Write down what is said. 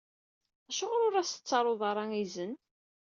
Acuɣer ur as-tettaruḍ ara izen?